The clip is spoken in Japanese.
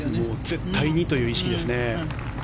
絶対にという意識ですね。